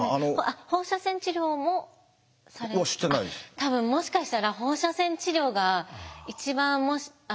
多分もしかしたら放射線治療が一番。